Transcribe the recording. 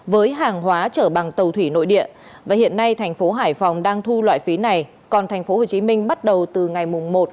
với hàng hóa trở bằng tàu thủy nội địa hiện nay tp hcm đang thu loại phí này còn tp hcm bắt đầu từ ngày một bốn hai nghìn hai mươi hai